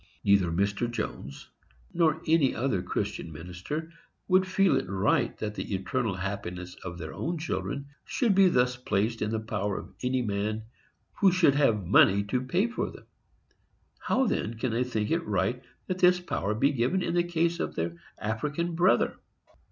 Neither Mr. Jones nor any other Christian minister would feel it right that the eternal happiness of their own children should be thus placed in the power of any man who should have money to pay for them. How, then, can they think it right that this power be given in the case of their African brother?